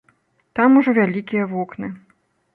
Там ужо вялікія вокны.